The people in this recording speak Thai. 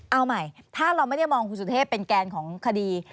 เอาใหม่ถ้าเราไม่ได้มองคุณสุเทพเป็นแกนของคดี